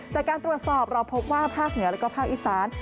จากการตรวจสอบเราพบว่าภาคเหนือและภาคอีสาน